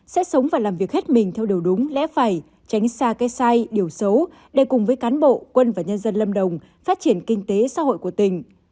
sẽ sống và làm việc hết mình theo điều đúng lẽ phải tránh xa cái sai điều xấu để cùng với cán bộ quân và nhân dân lâm đồng phát triển kinh tế xã hội của tỉnh